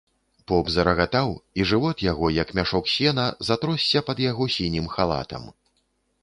Поп зарагатаў, і жывот яго, як мяшок сена, затросся пад яго сінім халатам.